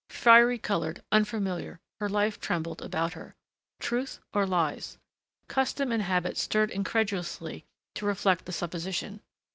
Fiery colored, unfamiliar, her life trembled about her. Truth or lies? Custom and habit stirred incredulously to reject the supposition.